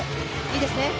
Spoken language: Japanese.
いいですね。